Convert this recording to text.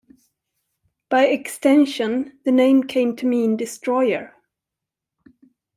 By extension, the name came to mean 'Destroyer.